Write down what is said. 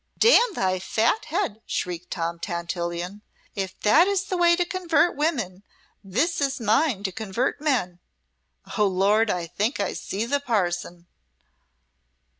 "'Damn thy fat head,'" shrieked Tom Tantillion, "'If that is thy way to convert women, this is mine to convert men.' Oh, Lord! I think I see the parson!"